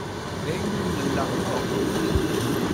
D ayen ur nlaq akk.